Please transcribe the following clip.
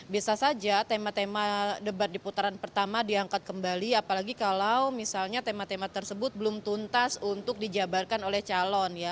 bisa saja tema tema debat di putaran pertama diangkat kembali apalagi kalau misalnya tema tema tersebut belum tuntas untuk dijabarkan oleh calon ya